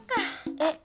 えっ？